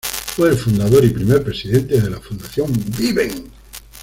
Fue el fundador y primer presidente de la Fundación "¡Viven!